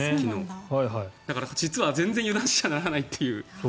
だから実は全然油断しちゃならないという。